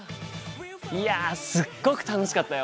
いやすっごく楽しかったよ！